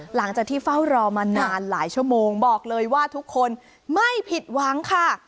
หลังจากที่เฝ้ารอมานานหลายชั่วโมงบอกเลยว่าทุกคนไม่ผิดหวังค่ะ